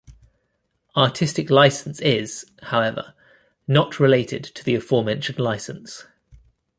Artistic license is, however, not related to the aforementioned license.